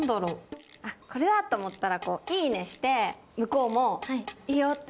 これだと思ったら「いいね」して向こうもいいよって。